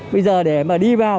bây giờ để mà đi vào